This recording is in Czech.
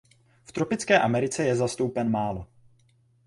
V tropické Americe je zastoupen málo.